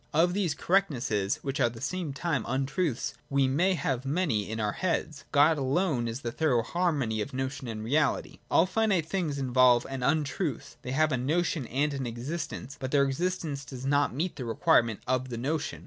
Of these correctnesses, which are at the same time untruths, we may have many in our heads. — God alone is the thorough harmony of notion and reality. All finite things^involve an untruth : they have a notion and an existence, but their existence does not meet the requirements of the notion.